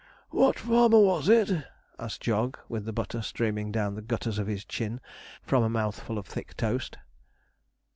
'What farmer was it?' asked Jog, with the butter streaming down the gutters of his chin from a mouthful of thick toast.